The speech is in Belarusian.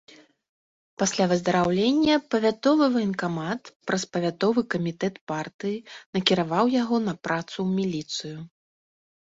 Пасля выздараўлення павятовы ваенкамат, праз павятовы камітэт партыі, накіраваў яго на працу ў міліцыю.